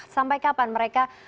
sampai kapan mereka